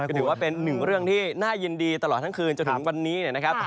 ก็ถือว่าเป็นหนึ่งเรื่องที่น่ายินดีตลอดทั้งคืนจนถึงวันนี้นะครับ